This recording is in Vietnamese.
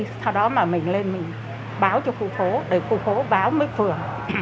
sau đó mình lên mình báo cho khu phố để khu phố báo mới phường